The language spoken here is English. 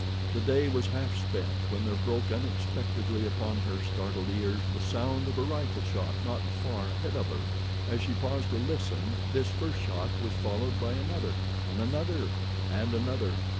The day was half spent when there broke unexpectedly upon her startled ears the sound of a rifle shot not far ahead of her. As she paused to listen, this first shot was followed by another and another and another.